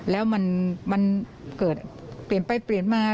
แล้วมันเกิดเปลี่ยนไปเปลี่ยนมา